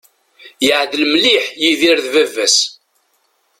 Yeεdel mliḥ Yidir d baba-s.